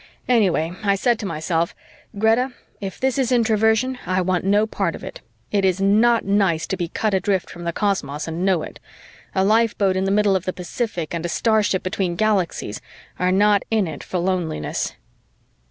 Anyway, I said to myself, "Greta, if this is Introversion, I want no part of it. It is not nice to be cut adrift from the cosmos and know it. A lifeboat in the middle of the Pacific and a starship between galaxies are not in it for loneliness."